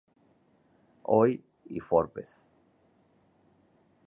Hoy y Forbes.